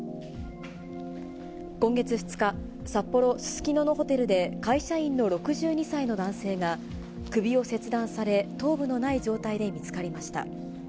今月２日、札幌・すすきののホテルで、会社員の６２歳の男性が首を切断され、頭部のない状態で見つかりました。